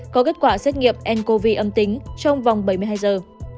có kết quả xét nghiệm ncov âm tính trong vòng bảy mươi hai giờ